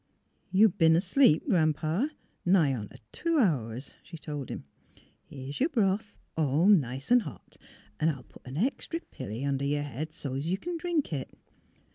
" You b'en asleep, Gran 'pa, nigh ont' two hours," she told him. ^' Here's yer broth, all nice an' hot. I'll put an extry piller under yer head so 't you c'n drink it."